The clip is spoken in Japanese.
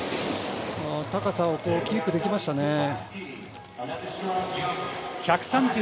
高さをキープできましたね。